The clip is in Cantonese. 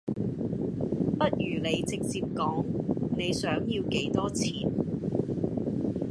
不如你直接講你想要幾多錢